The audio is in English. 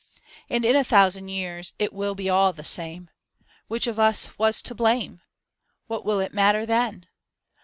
And in a thousand years It will be all the same. Which of us was to blame P What will it matter then?